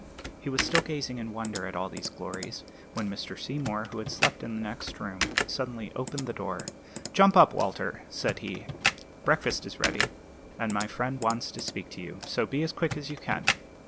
He was still gazing in wonder at all these glories, when Mr. Seymour, who had slept in the next room, suddenly opened the door. "Jump up, Walter," said he. "Breakfast is ready, and my friend wants to speak to you; so be as quick as you can."